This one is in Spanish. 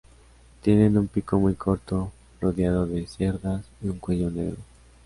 Tienen un pico muy corto rodeado de cerdas y un cuello negro.